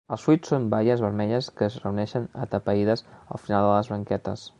Els fruits són baies vermelles que es reuneixen atapeïdes al final de les branquetes.